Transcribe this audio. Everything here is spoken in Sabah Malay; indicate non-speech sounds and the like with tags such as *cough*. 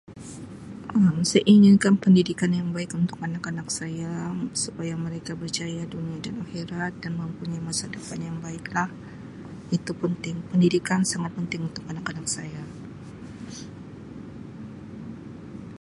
Um Saya inginkan pendidikan yang baik untuk anak-anak saya supaya mereka berjaya dunia dan akhirat dan mempunyai masa depan yang baik lah, itu penting. Pendidikan sangat penting untuk anak-anak saya. *noise*